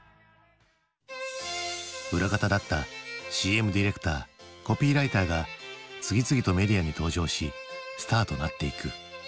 裏方だったＣＭディレクターコピーライターが次々とメディアに登場しスターとなっていく。